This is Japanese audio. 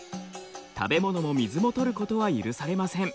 食べ物も水もとることは許されません。